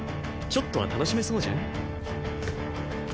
ちょっとは楽しめそうじゃん？